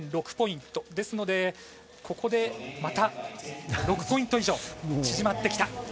ですので、ここでまた６ポイント以上縮まってきた。